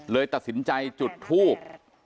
เลยตัดสินใจจุดทูบ